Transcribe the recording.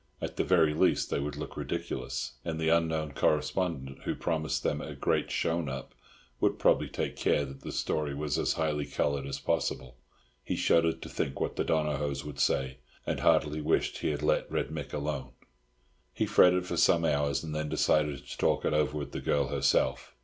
At the very least they would look ridiculous; and the unknown correspondent who promised them a "grate shown up" would probably take care that the story was as highly coloured as possible. He shuddered to think what the Donohoes would say, and heartily wished he had let Red Mick alone. He fretted for some hours, and then decided to talk it over with the girl herself.